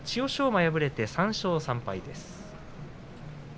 馬敗れて３勝３敗です。